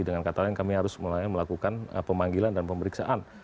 dengan kata lain kami harus melakukan pemanggilan dan pemeriksaan